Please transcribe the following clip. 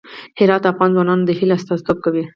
هرات د افغان ځوانانو د هیلو استازیتوب کوي.